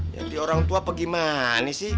jadi orang tua apa gimana sih